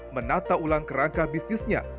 menata ulang kerangka bisnisnya